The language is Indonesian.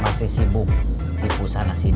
masih sibuk tipu sana sini